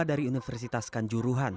dari universitas kanjuruhan